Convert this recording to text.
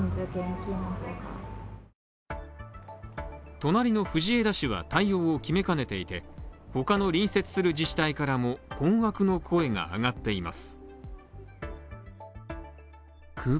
隣の藤枝市は対応を決めかねていて、他の隣接する自治体からも困惑の声が上がっています。